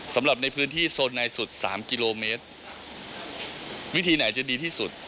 สำหรับในพื้นที่โซนในสุดสามกิโลเมตรวิธีไหนจะดีที่สุด